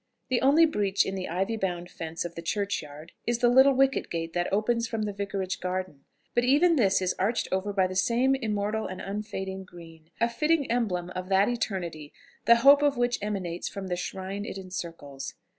The only breach in the ivy bound fence of the churchyard, is the little wicket gate that opens from the Vicarage garden; but even this is arched over by the same immortal and unfading green, a fitting emblem of that eternity, the hope of which emanates from the shrine it encircles.